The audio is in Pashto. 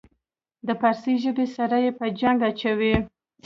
د پارسي ژبې سره یې په جنګ اچوي.